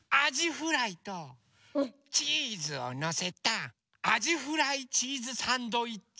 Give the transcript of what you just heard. フライとチーズをのせたあじフライチーズサンドイッチ